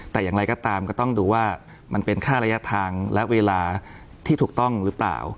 แต่อย่างไรก็ตามก็ต้องดูว่ามันเป็นค่าระยะทางและเวลาที่ถูกต้องหรือเปล่า